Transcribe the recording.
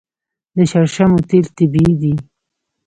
د شړشمو تیل طبیعي دي.